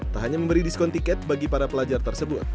tak hanya memberi diskon tiket bagi para pelajar tersebut